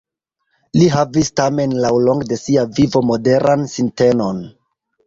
Li havis tamen laŭlonge de sia vivo moderan sintenon.